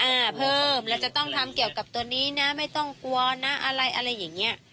อ่าเพิ่มเราจะต้องทำเกี่ยวกับตัวนี้นะไม่ต้องกลัวนะอะไรอะไรอย่างเงี้ย